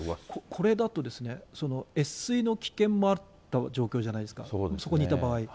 これだと、越水の危険もあった状況じゃないですか、そこにいた場合。